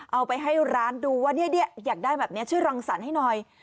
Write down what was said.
เอาไปให้ร้านดูว่าอยากได้แบบนี้ช่วยรังสรรค์ให้หน่อย